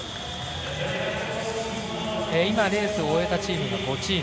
今、レースを終えたチームが５チーム。